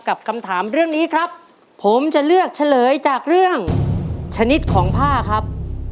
คำถามเรื่องนี้ครับผมจะเลือกเฉลยจากเรื่องชนิดของผ้าครับ